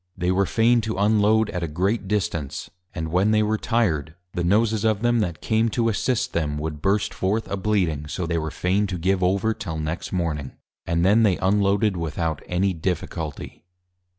They were fain to unload at a great Distance; and when they were Tired, the Noses of them that came to Assist them, would burst forth a Bleeding; so they were fain to give over till next morning; and then they unloaded without any difficulty.